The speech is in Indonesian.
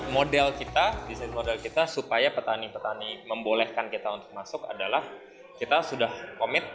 model kita bisnis model kita supaya petani petani membolehkan kita untuk masuk adalah kita sudah komit